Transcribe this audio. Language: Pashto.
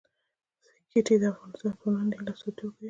ښتې د افغان ځوانانو د هیلو استازیتوب کوي.